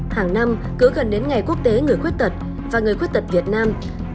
hàng năm cứ gần đến ngày quốc tế người khuyết tật và người khuyết tật việt nam